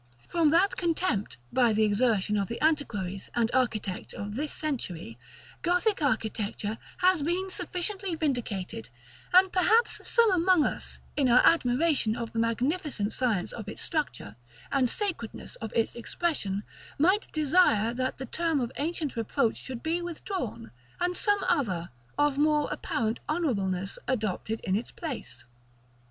From that contempt, by the exertion of the antiquaries and architects of this century, Gothic architecture has been sufficiently vindicated; and perhaps some among us, in our admiration of the magnificent science of its structure, and sacredness of its expression, might desire that the term of ancient reproach should be withdrawn, and some other, of more apparent honorableness, adopted in its place.